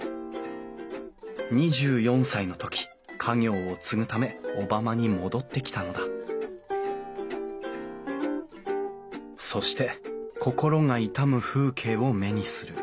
２４歳の時家業を継ぐため小浜に戻ってきたのだそして心が痛む風景を目にする。